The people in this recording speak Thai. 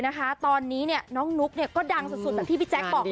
งานดีด้วยงานดี